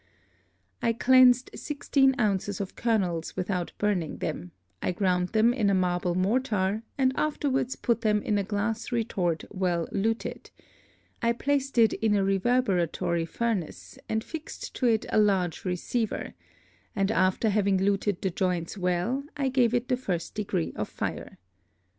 I cleansed sixteen Ounces of Kernels without burning them, I ground them in a Marble Mortar, and afterwards put them in a Glass Retort well luted; I placed it in a Reverberatory Furnace, and fixed to it a large Receiver; and after having luted the Joints well, I gave it the first Degree of Fire.